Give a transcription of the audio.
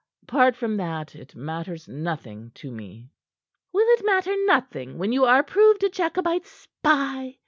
Apart from that, it matters nothing to me." "Will it matter nothing when you are proved a Jacobite spy?"